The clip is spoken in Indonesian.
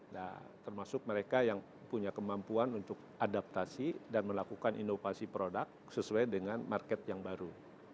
nah termasuk mereka yang punya kemampuan untuk adaptasi dan melakukan inovasi produk sesuai dengan market yang baru